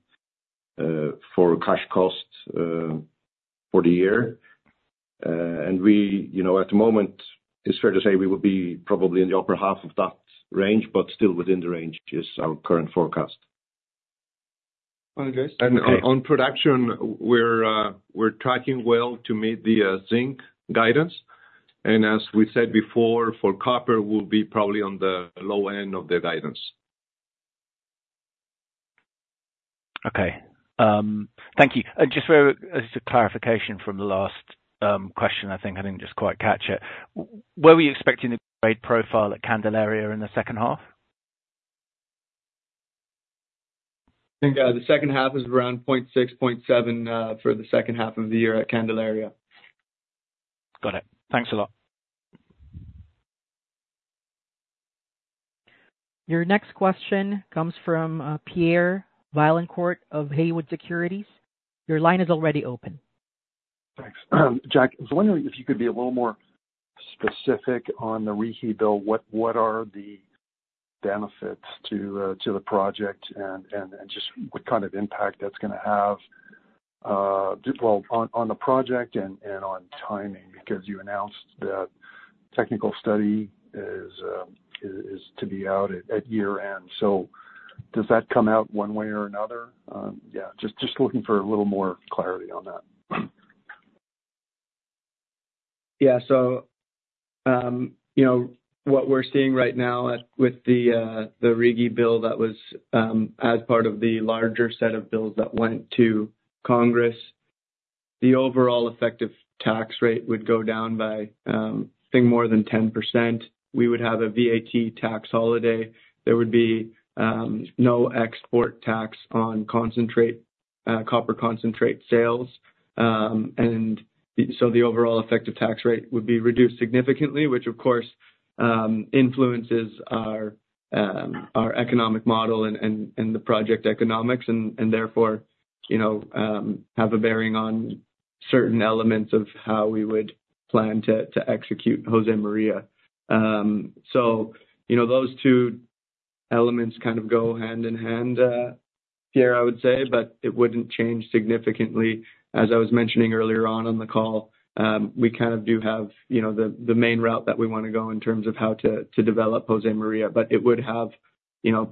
for cash costs for the year. And we, you know, at the moment, it's fair to say we will be probably in the upper half of that range, but still within the range is our current forecast. On production, we're tracking well to meet the zinc guidance. As we said before, for copper will be probably on the low end of the guidance. Okay. Thank you. And just very, as a clarification from the last question, I think I didn't just quite catch it. Where were you expecting the grade profile at Candelaria in the second half? I think, the second half is around 0.6-0.7 for the second half of the year at Candelaria. Got it. Thanks a lot. Your next question comes from Pierre Vaillancourt of Haywood Securities. Your line is already open. Thanks. Jack, I was wondering if you could be a little more specific on the RIGI Bill. What, what are the benefits to, to the project and, and, and just what kind of impact that's gonna have, well, on, on the project and, and on timing? Because you announced that technical study is, is, is to be out at, at year-end. So does that come out one way or another? Yeah, just, just looking for a little more clarity on that. Yeah. So, you know, what we're seeing right now with the RIGI Bill, that was as part of the larger set of bills that went to Congress, the overall effective tax rate would go down by I think more than 10%. We would have a VAT tax holiday. There would be no export tax on concentrate, copper concentrate sales. And so the overall effective tax rate would be reduced significantly, which, of course, influences our economic model and the project economics, and therefore, you know, have a bearing on certain elements of how we would plan to execute Josemaria. So, you know, those two elements kind of go hand in hand, Pierre, I would say, but it wouldn't change significantly. As I was mentioning earlier on the call, we kind of do have, you know, the main route that we want to go in terms of how to develop Josemaria. But it would have, you know,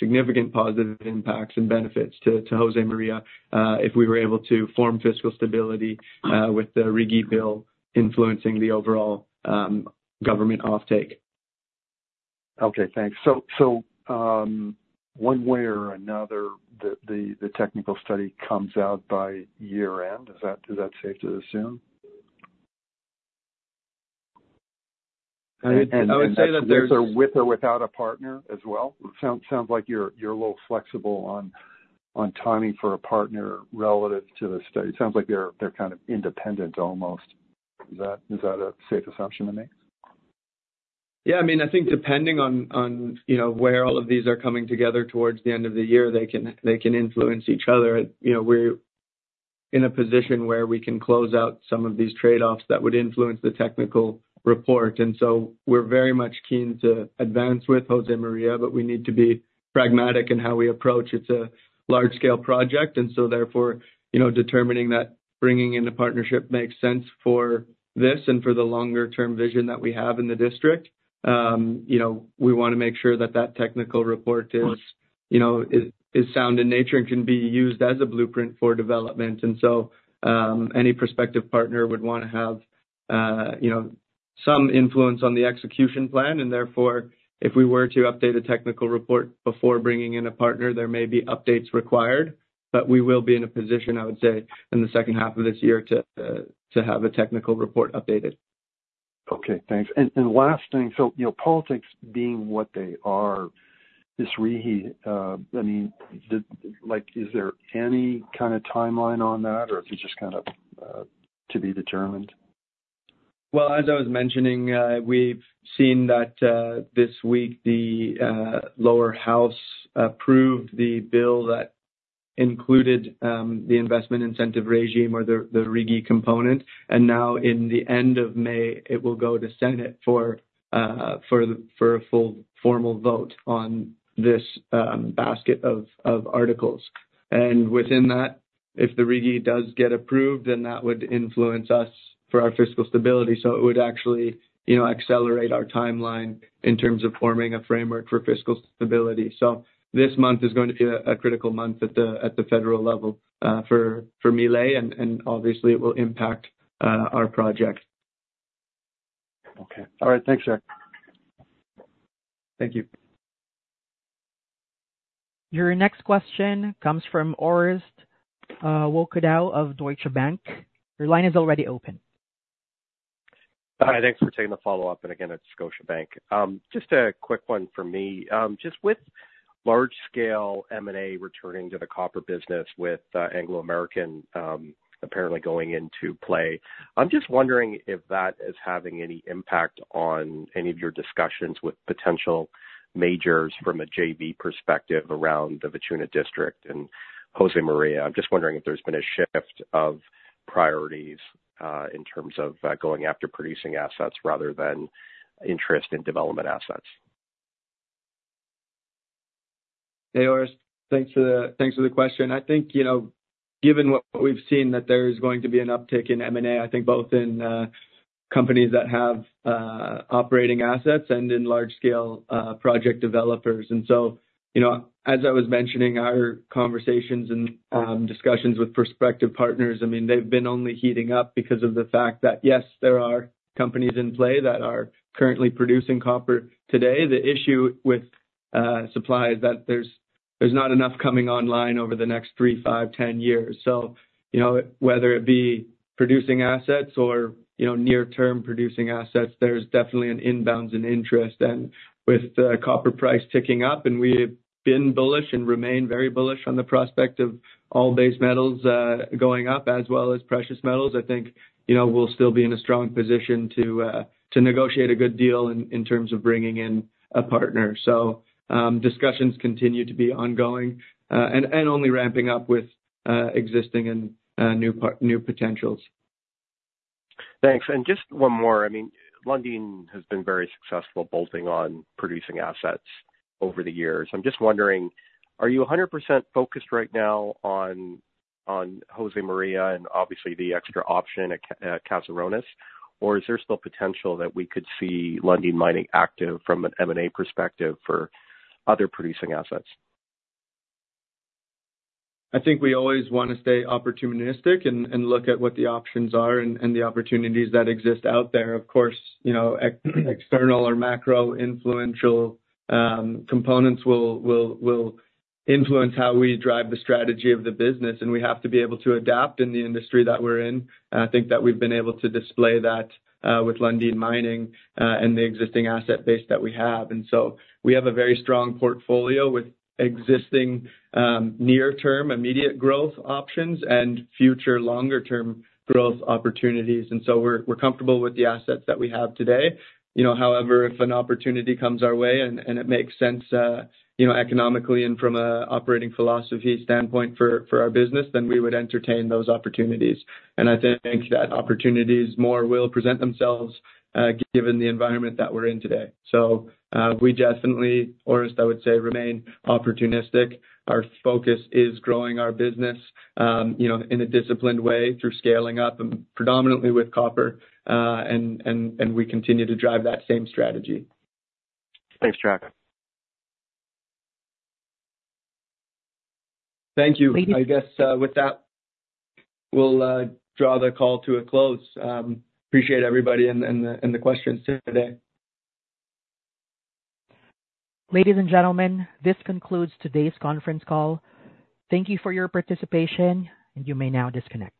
significant positive impacts and benefits to Josemaria, if we were able to form fiscal stability with the RIGI Bill influencing the overall government offtake. Okay, thanks. So, one way or another, the technical study comes out by year-end. Is that safe to assume? And I would say that there's- With or without a partner as well? Sounds like you're a little flexible on timing for a partner relative to the study. Sounds like they're kind of independent almost. Is that a safe assumption to make? Yeah, I mean, I think depending on, you know, where all of these are coming together towards the end of the year, they can influence each other. You know, we're in a position where we can close out some of these trade-offs that would influence the technical report. So we're very much keen to advance with Josemaria, but we need to be pragmatic in how we approach. It's a large scale project, and so therefore, you know, determining that bringing in a partnership makes sense for this and for the longer term vision that we have in the district. You know, we want to make sure that technical report is, you know, sound in nature and can be used as a blueprint for development. So, any prospective partner would want to have, you know, some influence on the execution plan, and therefore, if we were to update a technical report before bringing in a partner, there may be updates required. But we will be in a position, I would say, in the second half of this year to have a technical report updated. Okay, thanks. And last thing. So, you know, politics being what they are, this RIGI, I mean, the—like, is there any kind of timeline on that, or is it just kind of to be determined? Well, as I was mentioning, we've seen that, this week, the lower house approved the bill that included the investment incentive regime or the RIGI component. And now in the end of May, it will go to Senate for a full formal vote on this basket of articles. And within that, if the RIGI does get approved, then that would influence us for our fiscal stability. So it would actually, you know, accelerate our timeline in terms of forming a framework for fiscal stability. So this month is going to be a critical month at the federal level for Milei, and obviously it will impact our project. Okay. All right. Thanks, Jack. Thank you. Your next question comes from Orest Wowkodaw of Scotiabank. Your line is already open. Hi, thanks for taking the follow-up, and again, it's Scotiabank. Just a quick one for me. Just with large-scale M&A returning to the copper business with Anglo American apparently going into play, I'm just wondering if that is having any impact on any of your discussions with potential majors from a JV perspective around the Vicuña District and Josemaria. I'm just wondering if there's been a shift of priorities in terms of going after producing assets rather than interest in development assets. Hey, Orest. Thanks for the, thanks for the question. I think, you know, given what we've seen, that there's going to be an uptick in M&A, I think both in, companies that have, operating assets and in large scale, project developers. And so, you know, as I was mentioning, our conversations and, discussions with prospective partners, I mean, they've been only heating up because of the fact that, yes, there are companies in play that are currently producing copper today. The issue with, supply is that there's not enough coming online over the next three, five, 10 years. So, you know, whether it be producing assets or, you know, near-term producing assets, there's definitely inbound interest. With the copper price ticking up, and we've been bullish and remain very bullish on the prospect of all base metals going up, as well as precious metals, I think, you know, we'll still be in a strong position to negotiate a good deal in terms of bringing in a partner. So, discussions continue to be ongoing, and only ramping up with existing and new potentials. Thanks. Just one more. I mean, Lundin has been very successful bolting on producing assets over the years. I'm just wondering, are you 100% focused right now on Josemaria and obviously the extra option at Caserones? Or is there still potential that we could see Lundin Mining active from an M&A perspective for other producing assets? I think we always want to stay opportunistic and look at what the options are and the opportunities that exist out there. Of course, you know, external or macro influential components will influence how we drive the strategy of the business, and we have to be able to adapt in the industry that we're in. And I think that we've been able to display that with Lundin Mining and the existing asset base that we have. And so we have a very strong portfolio with existing near-term, immediate growth options and future longer term growth opportunities. And so we're comfortable with the assets that we have today. You know, however, if an opportunity comes our way and it makes sense, you know, economically and from an operating philosophy standpoint for our business, then we would entertain those opportunities. And I think that opportunities more will present themselves, given the environment that we're in today. So, we definitely, Orest, I would say, remain opportunistic. Our focus is growing our business, you know, in a disciplined way through scaling up and predominantly with copper, and we continue to drive that same strategy. Thanks, Jack. Thank you. I guess, with that, we'll draw the call to a close. Appreciate everybody and the questions today. Ladies and gentlemen, this concludes today's conference call. Thank you for your participation, and you may now disconnect.